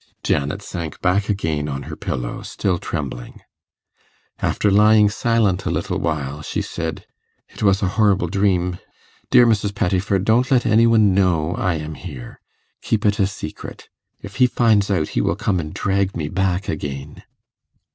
Janet sank back again on her pillow, still trembling. After lying silent a little while, she said, 'It was a horrible dream. Dear Mrs. Pettifer, don't let any one know I am here. Keep it a secret. If he finds out, he will come and drag me back again.